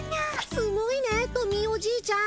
すごいねトミーおじいちゃん。